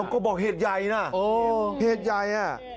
ก็บอกเฮษยายนะเฮษยาย